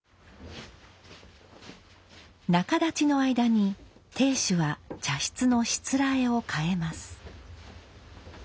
中立の間に亭主は茶室のしつらえを替えます。